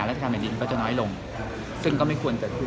ประหรัสาชาแบบใดดินก็จะน้อยลงซึ่งก็ไม่ควรเกิดขึ้น